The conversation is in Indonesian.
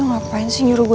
terima kasih sayang